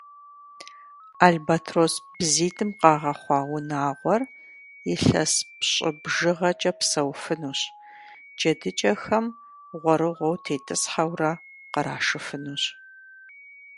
Альбэтрос бзитӀым къагъэхъуа унагъуэр илъэс пщӀы бжыгъэкӀэ псэуфынущ, джэдыкӀэхэм гъуэрыгъуэу тетӀысхьэурэ къырашыфынущ.